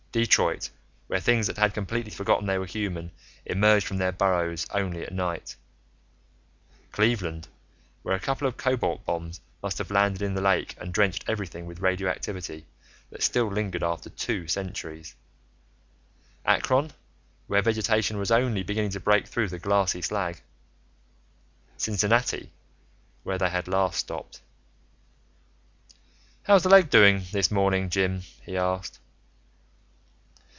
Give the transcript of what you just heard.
Detroit, where things that had completely forgotten they were human emerged from their burrows only at night ... Cleveland, where a couple of cobalt bombs must have landed in the lake and drenched everything with radioactivity that still lingered after two centuries ... Akron, where vegetation was only beginning to break through the glassy slag ... Cincinnati, where they had last stopped.... "How's the leg this morning, Jim?" he asked.